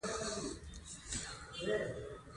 په افغانستان کې هندوکش د خلکو د ژوند په کیفیت تاثیر کوي.